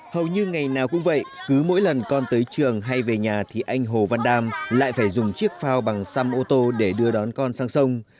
hầu như ngày nào cũng vậy cứ mỗi lần con tới trường hay về nhà thì anh hồ văn đam lại phải dùng chiếc phao bằng xăm ô tô để đưa đón con sang sông